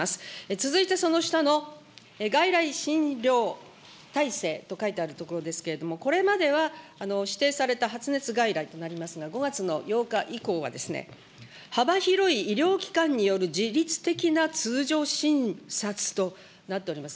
続いてその下の外来診療体制と書いてあるところですけれども、これまでは指定された発熱外来となりますが、５月の８日以降は、幅広い医療機関によるじりつ的な通常診察となっております。